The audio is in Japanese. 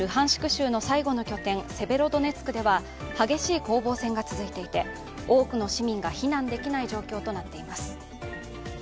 州の最後の拠点、セベロドネツクでは激しい攻防戦が続いていて、多くの市民が避難できない状況となっています。